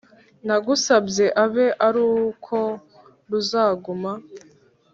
Ndagusabye abe aruko ruzaguma